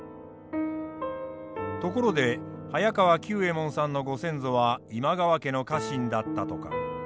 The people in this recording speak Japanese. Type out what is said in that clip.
ところで早川久右衛門さんのご先祖は今川家の家臣だったとか。